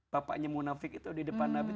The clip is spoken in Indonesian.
papanya munafik itu di depan nabi